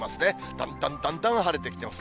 だんだんだんだん晴れてきてます。